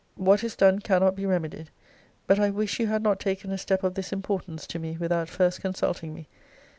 What is done cannot be remedied: but I wish you had not taken a step of this importance to me without first consulting me.